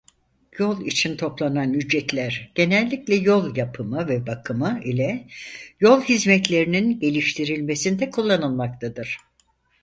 Yol için toplanan ücretler genellikle yol yapımı ve bakımı ile yol hizmetlerinin geliştirilmesinde kullanılmaktadır.